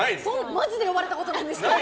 マジで呼ばれたことないんですけど。